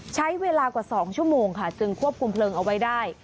ใช้เวลากว่า๒ชั่วโมงค่ะจึงควบคุมเพลิงเอาไว้ได้